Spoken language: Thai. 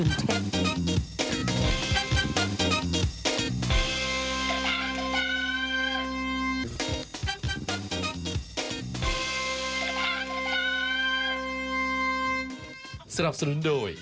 เส้นสัญญาณสามปีบอกไม่เล่นละครที่อ้ำเคยเล่นด้วย